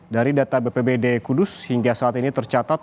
dari data bpbd kudus hingga saat ini tercatat